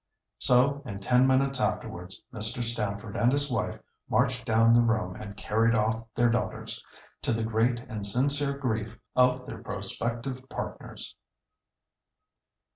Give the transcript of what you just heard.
So in ten minutes afterwards, Mr. Stamford and his wife marched down the room and carried off their daughters, to the great and sincere grief of their prospective partners.